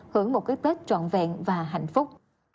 hưởng một cái tết trọn vẹn và hạnh phúc